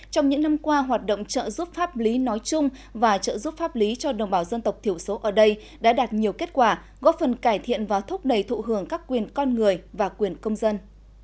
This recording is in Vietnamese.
trong những năm qua hoạt động trợ giúp pháp lý nói chung và trợ giúp pháp lý cho đồng bào dân tộc thiểu số ở đây đã đạt nhiều kết quả góp phần cải thiện và thúc đẩy thụ hưởng các quyền con người và quyền công dân